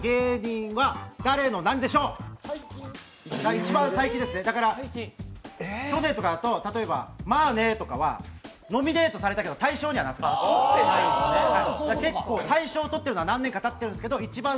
一番最近ですね、だから去年とかだと「まぁねぇ」とかはノミネートされたけど大賞にはなってないんです、結構大賞取ってるのは何年かたってるんですけど一番